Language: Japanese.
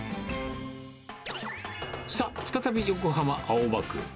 さあ、再び横浜・青葉区。